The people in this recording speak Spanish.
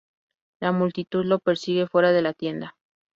La multitud lo persigue fuera de la tienda.